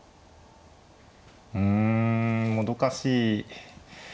うんもどかしい。